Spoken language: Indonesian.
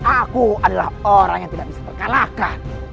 aku adalah orang yang tidak bisa di kalahkan